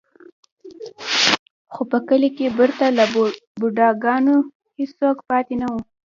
خو په کلي کې پرته له بوډا ګانو هېڅوک پاتې نه و.